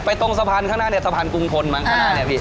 ตรงสะพานข้างหน้าเนี่ยสะพานกรุงทนมังข้างหน้าเนี่ยพี่